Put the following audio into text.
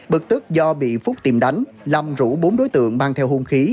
bực tức do bị phúc tìm đánh làm rủ bốn đối tượng mang theo hung khí